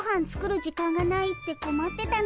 時間がないってこまってたの。